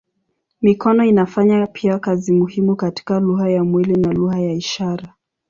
Mikono inafanya pia kazi muhimu katika lugha ya mwili na lugha ya ishara.